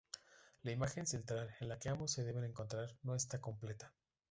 La imagen central, en la que ambos se deben encontrar, no está completa.